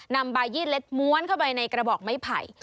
นำใบยี่เล็ดม้วนเข้าไปในกระบอกไม้ไผ่